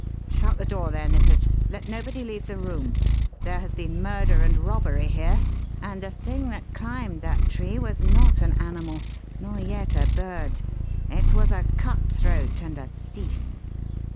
Shut the door there, Nippers. Let nobody leave the room. There has been murder and robbery here; and the thing that climbed that tree was not an animal nor yet a bird. It was a cut throat and a thief!"